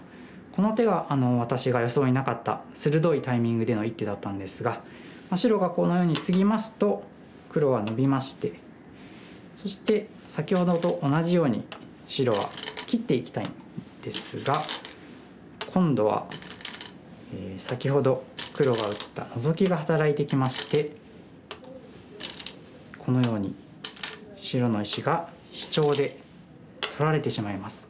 この手は私が予想になかった鋭いタイミングでの一手だったんですが白がこのようにツギますと黒はノビましてそして先ほどと同じように白は切っていきたいんですが今度は先ほど黒が打ったノゾキが働いてきましてこのように白の石がシチョウで取られてしまいます。